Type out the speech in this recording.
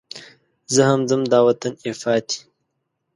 زه هم ځم دا وطن یې پاتې.